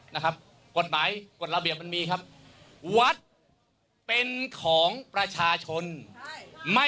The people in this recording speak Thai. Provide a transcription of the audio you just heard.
นะครับกฎหมายกฎระเบียบมันมีครับวัดเป็นของประชาชนใช่ไม่